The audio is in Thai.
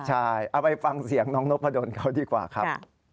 ใช่เอาไปฟังเสียงน้องนพดลเขาดีกว่าครับ